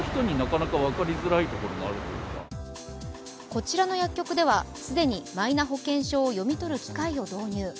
こちらの薬局では既にマイナ保険証を読み取る機械を導入。